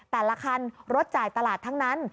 แต่ละคันรถจ่ายตลาดทั้งนั้น